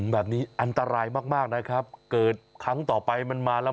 แบบนี้อันตรายมากมากนะครับเกิดครั้งต่อไปมันมาแล้ว